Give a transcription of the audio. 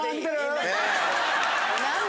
何だ？